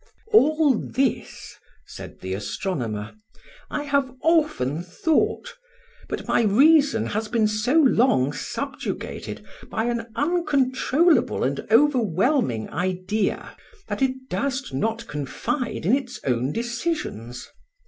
"ALL this," said the astronomer, "I have often thought; but my reason has been so long subjugated by an uncontrollable and overwhelming idea, that it durst not confide in its own decisions.